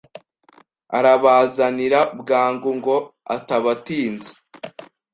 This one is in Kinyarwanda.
Arabazanira bwangu ngo atabatinza